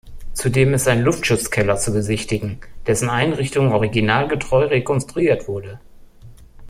Zudem ist ein Luftschutzkeller zu besichtigen, dessen Einrichtung originalgetreu rekonstruiert wurde.